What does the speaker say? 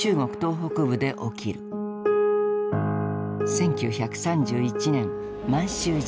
１９３１年満州事変。